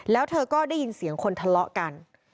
แล้วเธอก็ได้ยินเสียงคนทะเลาะกัน